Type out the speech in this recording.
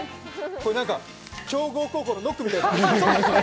これ何か強豪高校のノックみたい。